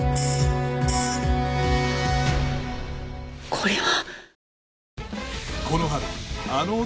これは。